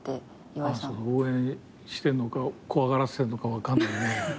そうだ応援してんのか怖がらせてんのか分かんない。